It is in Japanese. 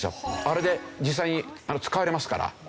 あれで実際に使われますから。